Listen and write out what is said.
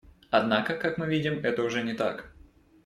Однако, как мы видим, это уже не так.